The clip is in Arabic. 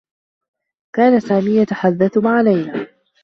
كان سامي يتحدّث مع ليلى.